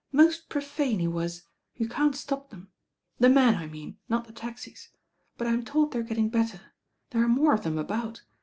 Most profane he was. You can't stop them. The men I mean, not the taxis. But I'm told they're getting better. There are more of them about.